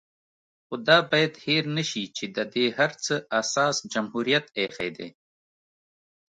خو دا بايد هېر نشي چې د دې هر څه اساس جمهوريت ايښی دی